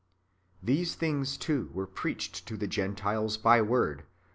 These things, too, were preached to the Gentiles by word, 1 Eph.